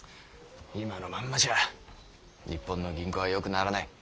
今のまんまじゃ日本の銀行はよくならない。